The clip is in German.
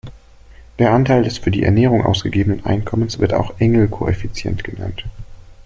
Der Anteil des für die Ernährung ausgegebenen Einkommens wird auch Engel-Koeffizient genannt.